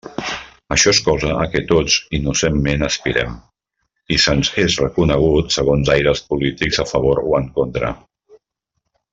Això és cosa a què tots innocentment aspirem, i se'ns és reconegut segons aires polítics a favor o en contra.